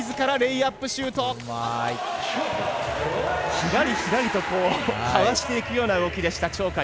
ひらりひらりとこうかわしていくような動きでした鳥海。